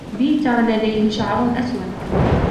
بيتر لديه شعر أسود.